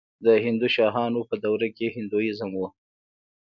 د هندوشاهیانو دوره کې هندویزم و